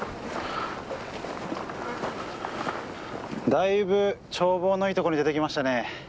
だいぶ眺望のいいところに出てきましたね。